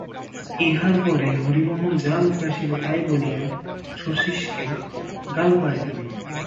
ইহার পরে হরিমোহন যা মুখে আসিল তাই বলিয়া শচীশকে গাল পাড়িতে লাগিলেন।